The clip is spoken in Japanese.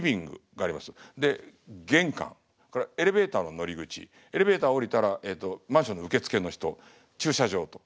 で玄関エレベーターの乗り口エレベーター降りたらえっとマンションの受け付けの人駐車場と。